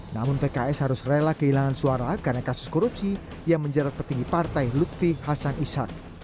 namun pks harus rela kehilangan suara karena kasus korupsi yang menjerat petinggi partai lutfi hasan ishak